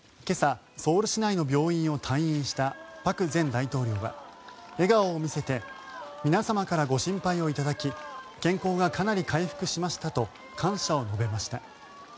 今朝、ソウル市内の病院を退院した朴前大統領は笑顔を見せて皆様からご心配を頂き健康がかなり回復しましたと感謝を述べました。